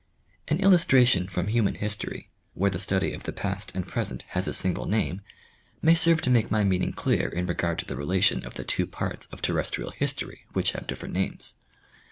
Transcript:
An illusti ation from human history, where the study of the past and present has a single name, may serve to make my mean ing clear in regard to the relation of the two parts of terrestrial history, which have different names.